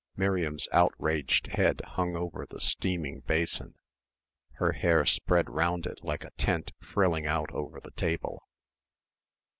Miriam's outraged head hung over the steaming basin her hair spread round it like a tent frilling out over the table.